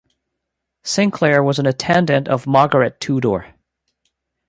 Sinclair was an attendant of Margaret Tudor.